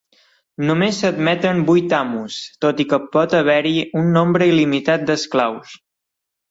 Només s'admeten vuit amos, tot i que pot haver-hi un nombre il·limitat d'esclaus.